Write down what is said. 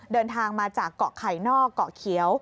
เดินทางมาจากเกาะไข่นอกเกาะเขียว